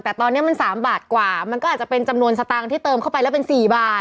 แต่ตอนนี้มัน๓บาทกว่ามันก็อาจจะเป็นจำนวนสตางค์ที่เติมเข้าไปแล้วเป็น๔บาท